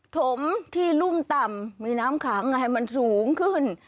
ถมที่รุ่มต่ำมีน้ำขังให้มันสูงขึ้น